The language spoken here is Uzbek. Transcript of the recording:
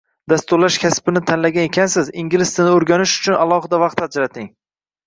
Dasturlash kasbini tanlagan ekansiz, ingliz tilini o’rganish uchun alohida vaqt ajrating